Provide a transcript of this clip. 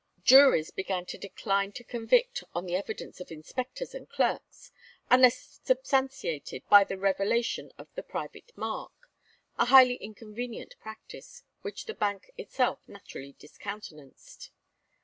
Juries began to decline to convict on the evidence of inspectors and clerks, unless substantiated by the revelation of the private mark, a highly inconvenient practice, which the Bank itself naturally discountenanced.